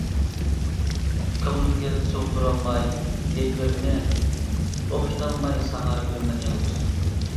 كۆڭلۈمگە سىغدۇرالماي ھېچبىرىنى، ئوخشىتالماي ساڭا يۈرىمەن يالغۇز.